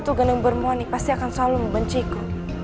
kalau aku gendeng permoni pasti akan selalu membenciku